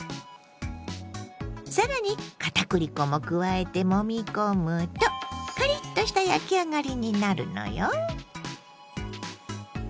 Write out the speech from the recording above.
更に片栗粉も加えてもみ込むとカリッとした焼き上がりになるのよ。